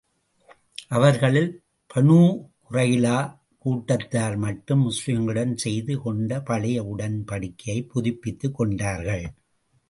அவர்களில் பனுா குறைலா கூட்டத்தார் மட்டும் முஸ்லிம்களுடன் செய்து கொண்ட பழைய உடன்படிக்கையைப் புதுப்பித்துக் கொண்டார்கள்.